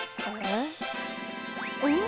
うん？